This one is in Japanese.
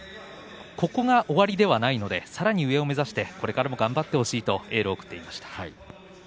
ここが終わりではないのでさらに上を目指して頑張ってほしいとエールを送っていました。